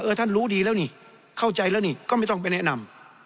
ท่านรู้ดีแล้วนี่เข้าใจแล้วนี่ก็ไม่ต้องไปแนะนำ